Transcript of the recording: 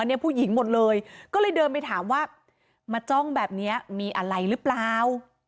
เนี่ยผู้หญิงหมดเลยก็เลยเดินไปถามว่ามาจ้องแบบนี้มีอะไรหรือเปล่า